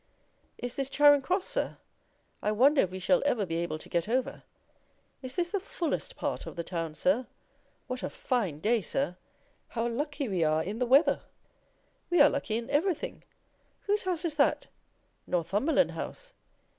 'Is this Charing Cross, sir? I wonder if we shall ever be able to get over. Is this the fullest part of the town, sir? What a fine day, sir! How lucky we are in the weather! We are lucky in everything! Whose house is that? Northumberland House!